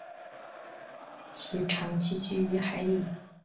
其常栖息于海底。